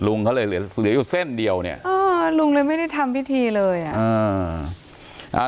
เขาเลยเหลือเหลืออยู่เส้นเดียวเนี่ยเออลุงเลยไม่ได้ทำพิธีเลยอ่ะอ่า